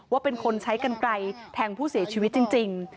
ว่าเป็นคนใช้กันไกลแทงผู้เสียชีวิตจริง